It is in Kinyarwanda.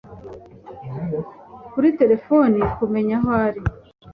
kuri telefone kumenya aho uri